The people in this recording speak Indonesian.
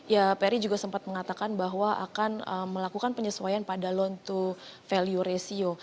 ya peri juga sempat mengatakan bahwa akan melakukan penyesuaian pada loan to value ratio